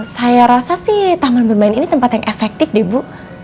saya rasa sih taman bermain ini tempat yang efektif deh bu